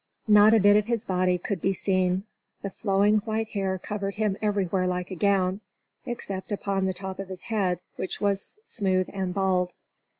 Not a bit of his body could be seen; the flowing white hair covered him everywhere like a gown, except upon the top of his head, which was smooth and bald.